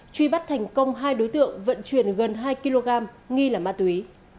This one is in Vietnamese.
truy bắt thành công hai đối tượng vận chuyển gần hai kg nghi là ma túy